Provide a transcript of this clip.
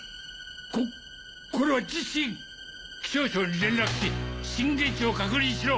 ここれは地震⁉気象庁に連絡し震源地を確認しろ。